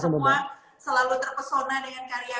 terima kasih kita semua selalu terpesona dengan karya karya